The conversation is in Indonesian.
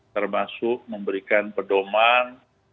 termasuk memberikan pedoman